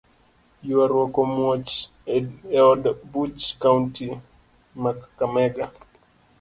Yuaruok omuoch eod buch Kaunti ma kakamega.